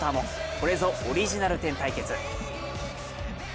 これぞオリジナル１０対決。